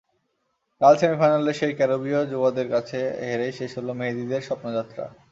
কাল সেমিফাইনালে সেই ক্যারিবীয় যুবাদের কাছে হেরেই শেষ হলো মেহেদীদের স্বপ্নযাত্রা।